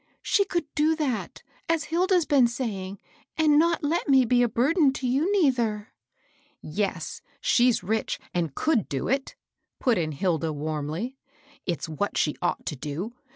" She could do that, as Hilda's been saying, and not let: me be a burden to you, neither." " Yes ; she's rich and could do it," put in Hilda, warmly ;and it's what she ought to do.